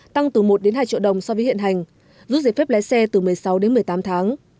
tăng từ một hai triệu đồng so với hiện hành rút giải phép lái xe từ một mươi sáu một mươi tám tháng